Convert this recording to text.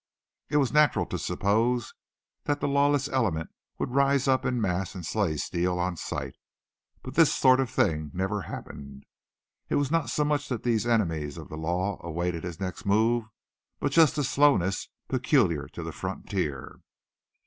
It was natural to suppose that the lawless element would rise up in a mass and slay Steele on sight. But this sort of thing never happened. It was not so much that these enemies of the law awaited his next move, but just a slowness peculiar to the frontier.